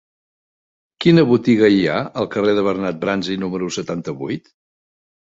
Quina botiga hi ha al carrer de Bernat Bransi número setanta-vuit?